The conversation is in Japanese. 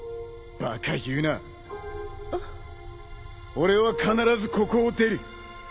俺は必ずここを出る。